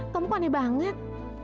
kamu kok aneh banget